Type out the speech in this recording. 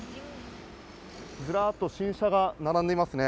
ずらーっと新車が並んでいますね。